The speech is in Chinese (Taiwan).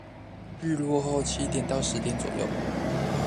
日落後七點到十點左右